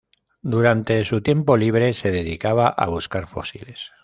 Durante su tiempo libre se dedicaba a buscar fósiles.